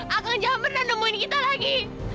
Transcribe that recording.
akang jangan pernah nemuin kita lagi